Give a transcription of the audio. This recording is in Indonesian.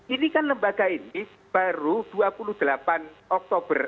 ini kan lembaga ini baru dua puluh delapan oktober